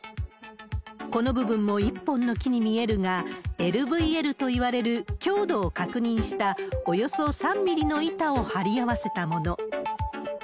この部分も一本の木に見えるが、ＬＶＬといわれる強度を確認したおよそ３ミリの板を張り合わせたもの。